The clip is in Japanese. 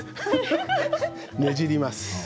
ねじります。